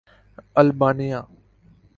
Albania